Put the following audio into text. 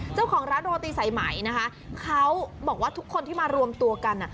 แล้วของรอตีใส่หมายนะฮะเขาบอกว่าทุกคนที่มารวมตัวกัน